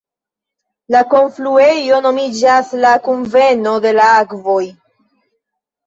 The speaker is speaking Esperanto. La kunfluejo nomiĝas "la kunveno de la akvoj".